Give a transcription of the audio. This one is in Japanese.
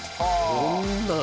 こんな。